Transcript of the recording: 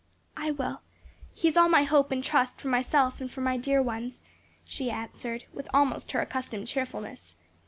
"I will; he is all my hope and trust for myself and for my dear ones," she answered, with almost her accustomed cheerfulness.